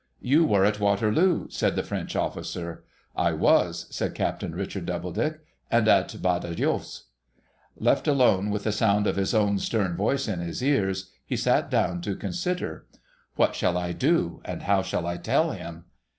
' You were at ^Vaterloo,' said the French officer. ' I was,' said Captain Richard Doubledick. 'And at Badajos.' Left alone with the sound of his own stern voice in his ears, he sat down to consider, What shall I do, and how shall I tell him